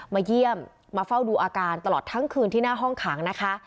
มาเยี่ยมมาเฝ้าดูอาการตลอดทั้งคืนที่หน้าห้องขังนะคะ